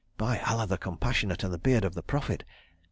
By Allah the Compassionate and the Beard of the Prophet!